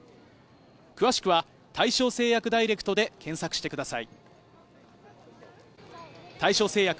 詳しくは大正製薬ダイレクトで検索してください。